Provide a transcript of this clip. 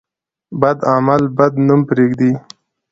بد عمل بد نوم پرېږدي.